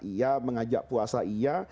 iya mengajak puasa iya